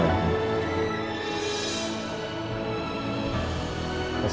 ini untuk kamu aja nih